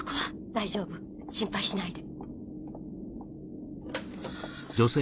大丈夫心配しないで。